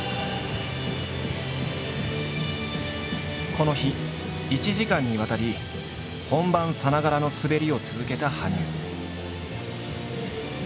この日１時間にわたり本番さながらの滑りを続けた羽生。